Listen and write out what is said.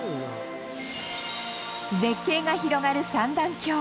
絶景が広がる三段峡。